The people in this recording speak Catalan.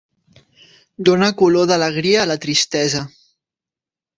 Dona color d'alegria a la tristesa.